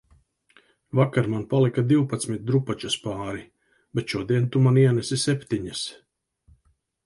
Vakar man palika divpadsmit drupačas pāri, bet šodien tu man ienesi septiņas